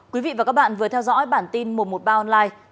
quý vị và các bạn vừa theo dõi bản tin một trăm một mươi ba online